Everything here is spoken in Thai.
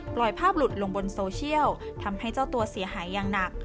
ปล่อยภาพหลุดลงบนโซเชียลทำให้เจ้าตัวเสียหายอย่างหนัก